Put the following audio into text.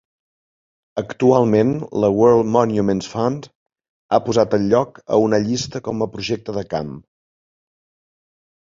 Actualment, la World Monuments Fund ha posat el lloc a una llista com a projecte de camp.